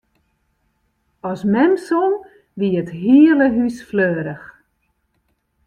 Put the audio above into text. As mem song, wie it hiele hús fleurich.